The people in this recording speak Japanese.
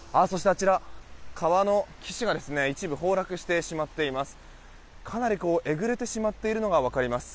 あちら、川の岸が一部崩落してしまっています。